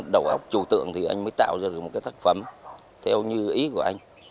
đầu óc trù tượng thì anh mới tạo ra được một cái tác phẩm theo như ý của anh